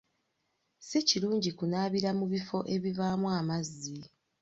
Si kirungi kunaabira mu bifo ebivaamu amazzi.